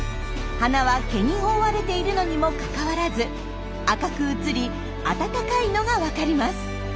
鼻は毛に覆われているのにもかかわらず赤く映り温かいのがわかります。